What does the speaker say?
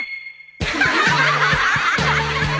アハハハ。